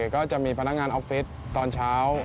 ก็จะมีพนักงานออฟฟิศตอนเช้า